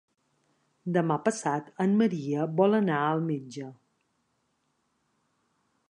Demà passat en Maria vol anar al metge.